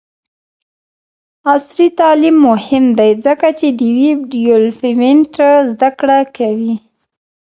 عصري تعلیم مهم دی ځکه چې د ویب ډیولپمنټ زدکړه کوي.